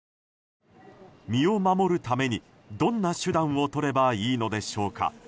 身を守るために、どんな手段をとればいいのでしょうか。